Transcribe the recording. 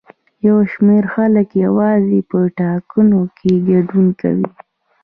یو شمېر خلک یوازې په ټاکنو کې ګډون کوي.